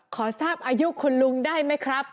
ขอทราบอายุคุณลุงได้ไหมครับ